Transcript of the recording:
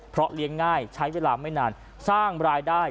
เพราะเลี้ยงง่ายใช้เวลาไม่นานสร้างรายได้